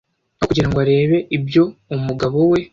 aho kugira ngo arebe ibyo umugabo we